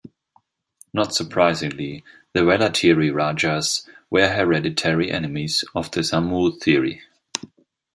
Not surprisingly, the Vellatiri rajas were hereditary enemies of the Samoothiri.